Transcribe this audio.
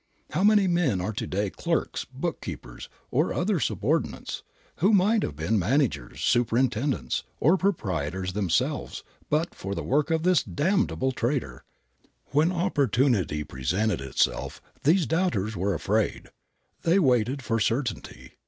How many men are to day clerks, bookkeepers, or other subordinates, who might have been managers, superintendents or proprietors themselves but for the work of this damnable traitor! When opportunity presented itself these doubters were afraid. They waited for certainty.